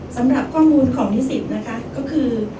สำหรับข้อมูลของนิสิตนะคะก็คือ